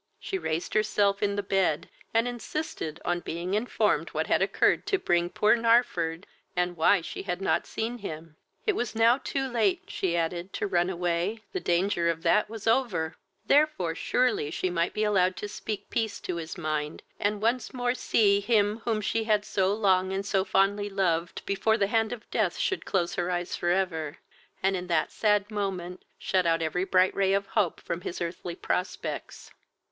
She raised herself in the bed, and insisted on being informed what had occurred to bring poor Narford, and why she had not seen him. It was now too late, (she added,) to run away; the danger of that was over; therefore surely she might be allowed to speak peace to his mind, and once more see him whom she had so long and so fondly loved, before the hand of death should close her eyes for ever, and in that sad moment shut out every bright ray of hope from his earthly prospects.